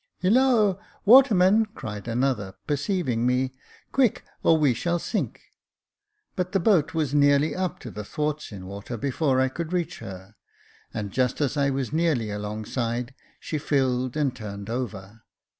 " Hilloa ! waterman !" cried another, perceiving me, " quick, or we shall sink." But the boat was nearly up to the thwarts in water before I could reach her, and just as I was nearly alongside, she filled and turned over.